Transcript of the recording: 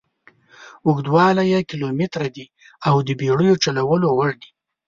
اوږدوالی یې کیلومتره دي او د بېړیو چلولو وړ دي.